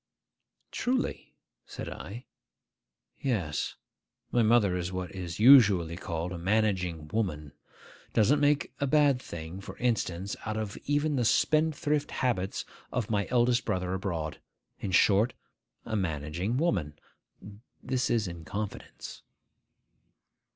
'Truly?' said I. 'Yes: my mother is what is usually called a managing woman. Doesn't make a bad thing, for instance, even out of the spendthrift habits of my eldest brother abroad. In short, a managing woman. This is in confidence.